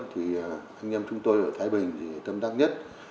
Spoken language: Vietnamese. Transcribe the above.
thì anh em chúng tôi ở thái bình thì tâm đắc nhất